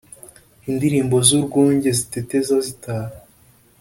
Indilimbo z’urwunge, Ziteteza zitaha,